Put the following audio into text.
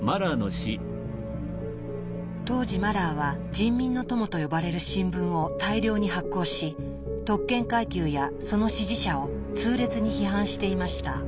当時マラーは「人民の友」と呼ばれる新聞を大量に発行し特権階級やその支持者を痛烈に批判していました。